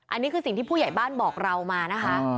อันนี้คือสิ่งที่ผู้ใหญ่บ้านบอกเรามานะคะ